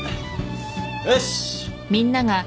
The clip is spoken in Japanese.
よし。